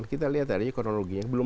kita lihat tadi kronologinya belum